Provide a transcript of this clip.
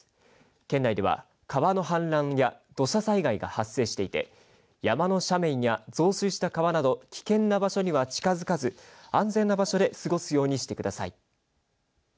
県内では川の氾濫や土砂災害が発生していて山の斜面や増水した川など危険な場所には近づかず安全な場所で過ごすようにしてください。